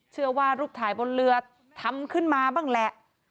เชื่อว่ารูปถ่ายบนเรือทำขึ้นมาบ้างแหละ